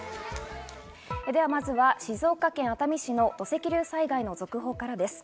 まずは静岡県熱海市の土石流災害の続報からです。